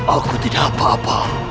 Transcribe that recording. aku tidak apa apa